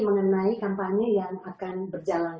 mengenai kampanye yang akan berjalan